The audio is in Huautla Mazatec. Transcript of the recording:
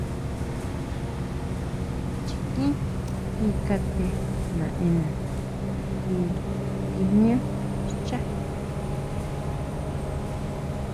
Chikín ki kate naʼena ngui nguijñá xchá.